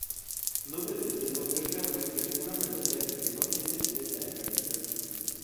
Nube de Hielo es realmente una melodía que no tiene letra en realidad.